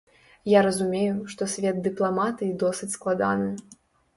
Я разумею, што свет дыпламатыі досыць складаны.